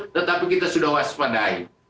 tetapi kita sudah waspadai